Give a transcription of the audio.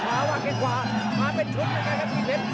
ด้วยจังหวะวางเข็ดขวามาเป็นชุดนะครับพี่เผ็ด